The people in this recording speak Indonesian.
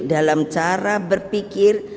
dalam cara berpikir